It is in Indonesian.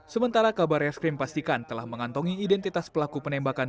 sementara kabar eskrim pastikan telah mengantongi identitas pelaku penembakan